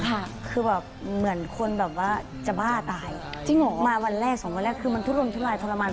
ค่ะคือแบบเหมือนคนแบบว่าจะบ้าตายจริงเหรอมาวันแรกสองวันแรกคือมันทุรมทุลายทรมาน